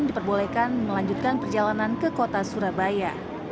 diperbolehkan melanjutkan perjalanan ke kota surabaya